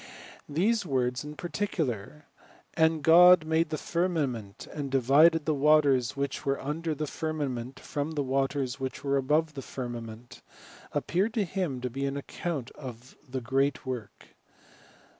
These words in particular, *^ And God made the firmament, and divided the waters which were under the firmament from tbe waters which were above the firmament," appeared te him to be an account of the great work.